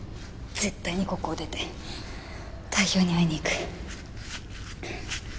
絶対にここを出て代表に会いに行く。